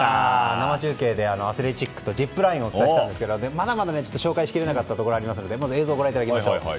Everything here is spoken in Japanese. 生中継でアスレチックとジップラインをお伝えしたんですがまだまだ紹介をしきれなかったところがありますので映像で紹介しましょう。